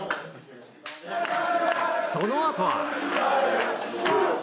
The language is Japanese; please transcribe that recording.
そのあとは。